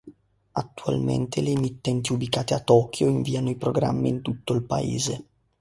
Attualmente le emittenti ubicate a Tokyo inviano i programmi in tutto il paese.